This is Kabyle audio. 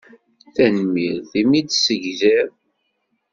Tanemmirt imi d-tessegziḍ.